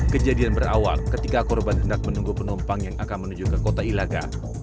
kejadian berawal ketika korban hendak menunggu penumpang yang akan menuju ke kota ilaga